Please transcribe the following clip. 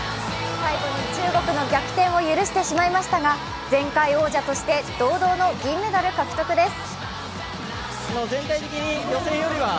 最後に中国の逆転を許してしまいましたが、前回王者として堂々の銀メダル獲得です。